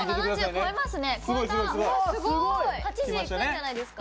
８０いくんじゃないですか。